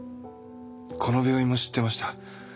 この病院も知ってました。